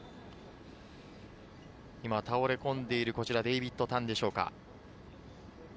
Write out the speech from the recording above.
今倒れ込んでいるデイヴィッド・タンでしょうか。